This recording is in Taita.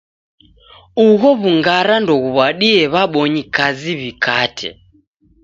Ugho w'ungara ndoghuw'adie w'abonyi kazi w'ikate.